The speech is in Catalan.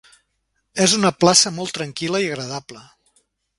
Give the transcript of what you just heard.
És una plaça molt tranquil·la i agradable.